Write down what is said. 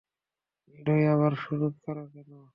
এডই, আবার শুরু কোরো না।